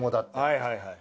はいはいはい。